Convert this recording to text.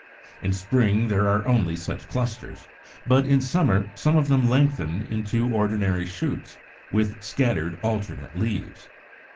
In spring there are only such clusters; but in summer some of them lengthen into ordinary shoots with scattered alternate leaves.